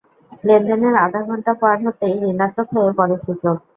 লেনদেনের আধাঘণ্টা পার হতেই ঋণাত্মক হয়ে পড়ে সূচক।